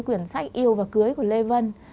quyển sách yêu và cưới của lê vân